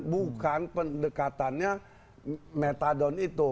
bukan pendekatannya meltadon itu